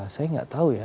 saya nggak tahu ya